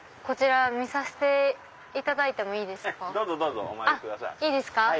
こちら見させていただいていいですか？